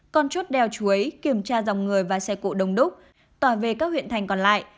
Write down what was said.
còn chốt đèo chuối kiểm tra dòng người và xe cổ đông đúc tỏa về các huyện thành còn lại